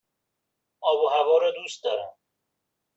آب و هوا را دوست دارم.